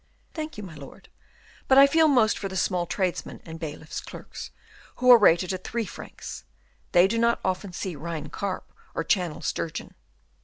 "Thank you, my lord. But I feel most for the small tradesmen and bailiffs' clerks, who are rated at three francs. They do not often see Rhine carp or Channel sturgeon."